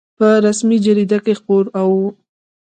په رسمي جریده کې خپور او